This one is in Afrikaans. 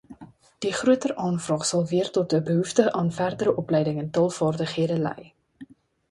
Die groter aanvraag sal weer tot 'n behoefte aan verdere opleiding in taalvaardighede lei.